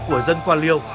của dân quan liệu